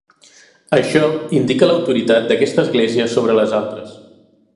Això indica l'autoritat d'aquesta església sobre les altres.